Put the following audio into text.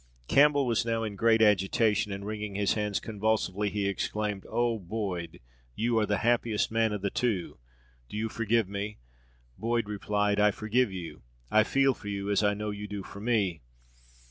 Campbell was now in great agitation, and ringing his hands convulsively, he exclaimed, "Oh, Boyd! you are the happiest man of the two! Do you forgive me?" Boyd replied, "I forgive you I feel for you, as I know you do for me."